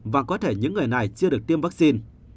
và có thể những người này chưa được tiêm vaccine